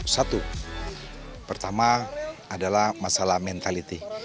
satu pertama adalah masalah mentality